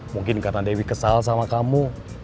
mungkin karena dewi kesal sama kamu